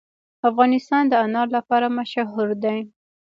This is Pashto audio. افغانستان د انار لپاره مشهور دی.